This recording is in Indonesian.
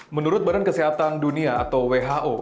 menurut badan kesehatan dunia atau who